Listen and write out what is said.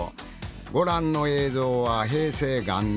ご覧の映像は平成元年。